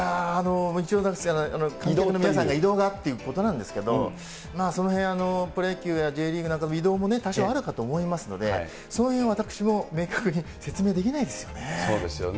観客の皆さんの移動があってということなんですけれども、そのへん、プロ野球やＪリーグなどの移動もね、多少あるかとは思いますので、そのへん私も明確に説明できないですよね。